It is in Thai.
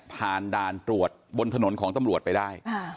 ผ่านด่านตรวจบนถนนของตำรวจไปได้